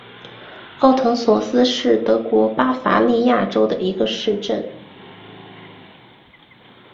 奥滕索斯是德国巴伐利亚州的一个市镇。